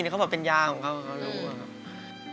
อันดับนี้เป็นแบบนี้